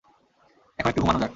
এখন একটু ঘুমানো যাক।